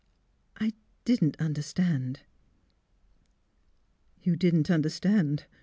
" I— didn't understand." " You didn't understand?